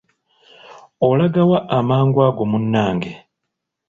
Olagawa amangu ago munnange?